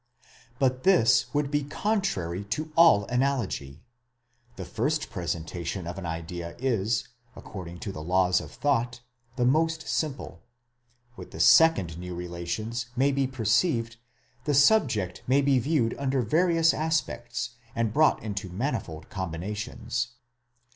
But this would be contrary to all analogy. 'The first presentation of an idea is, according to the laws of thought, the most simple; with the second new relations may be perceived, the subject may be viewed under various aspects, and brought into manifold combinations.